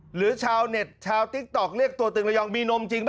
หรือชาวเน็ตชาวติ๊กต๊อกเรียกตัวตึงระยองมีนมจริงป่